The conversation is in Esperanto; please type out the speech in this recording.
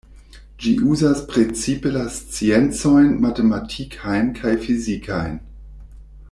Ĝi uzas precipe la sciencojn matematikajn kaj fizikajn.